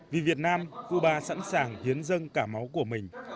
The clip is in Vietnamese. vì việt nam cuba sẵn sàng hiến dân cả máu của mình